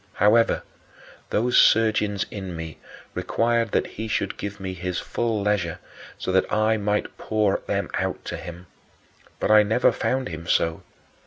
However, those surgings in me required that he should give me his full leisure so that I might pour them out to him; but I never found him so.